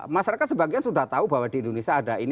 masyarakat sebagian sudah tahu bahwa di indonesia ada ini